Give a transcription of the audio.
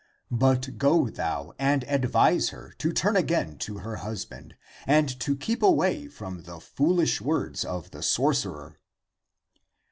But go thou and ad vise her to turn again to her husband, and to keep away from the foolish words of the sorcerer."